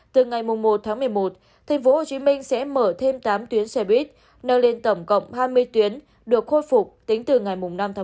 từ ngày một tháng một mươi một tp hcm sẽ mở thêm tám tuyến xe buýt nâng lên tổng cộng hai mươi tuyến được khôi phục tính từ ngày năm tháng một mươi